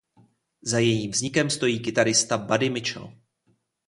Za jejím vznikem stojí kytarista Buddy Mitchell.